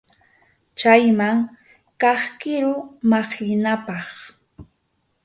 Chayman kaq kiru maqllinapaq.